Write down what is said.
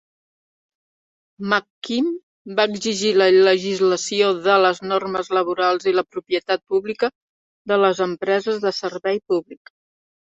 McKim va exigir la legislació de les normes laborals i la propietat pública de les empreses de servei públic.